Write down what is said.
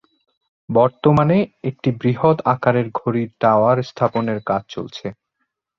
বর্তমানে একটি বৃহৎ আকারের ঘড়ির টাওয়ার স্থাপনের কাজ চলছে।